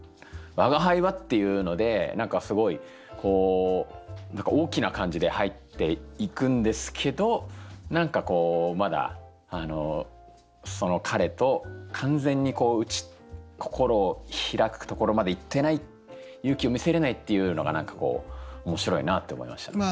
「吾輩は」っていうので何かすごい大きな感じで入っていくんですけど何かまだその彼と完全に心を開くところまでいってない勇気を見せれないっていうのが面白いなって思いました。